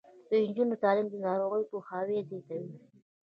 د نجونو تعلیم د ناروغیو پوهاوي زیاتوي.